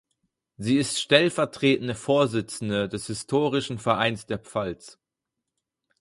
Sie ist stellvertretende Vorsitzende des Historischen Vereins der Pfalz.